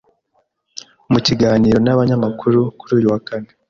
Mu kiganiro n’abanyamakuru kuri uyu wa Kane,